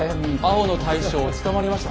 青の大将捕まりました。